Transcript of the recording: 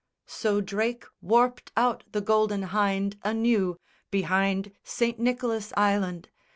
So Drake warped out the Golden Hynde anew Behind St. Nicholas' Island.